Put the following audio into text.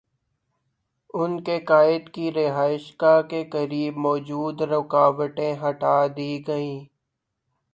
ان کے قائد کی رہائش گاہ کے قریب موجود رکاوٹیں ہٹا دی گئیں۔